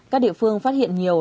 các địa phương phát hiện nhiều